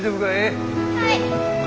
はい！